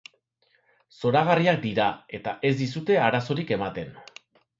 Zoragarriak dira, eta ez dizute arazorik ematen.